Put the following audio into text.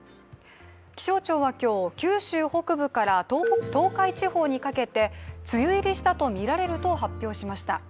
気象庁は今日、九州北部から東海地方にかけて梅雨入りしたとみられると発表しました。